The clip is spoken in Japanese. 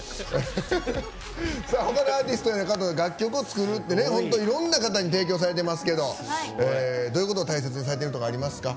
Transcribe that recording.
他のアーティストへ楽曲を作るって本当にいろんな方に提供されてますけどどういうことを大切にされてるとかありますか？